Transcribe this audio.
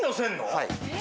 はい。